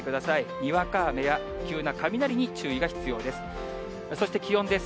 にわか雨や急な雷に注意が必要です。